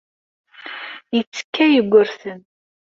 Yettekka Yugurten.